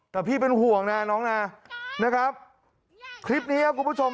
แต่พี่เป็นห่วงนะน้องนะนะครับคลิปนี้ครับคุณผู้ชม